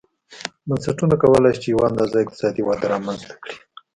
بنسټونه کولای شي چې یوه اندازه اقتصادي وده رامنځته کړي.